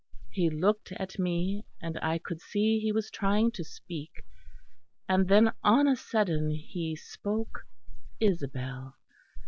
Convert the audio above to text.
He looked at me, and I could see he was trying to speak; and then on a sudden he spoke 'Isabel.'